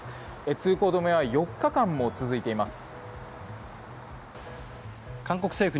通行止めは４日間も続いています。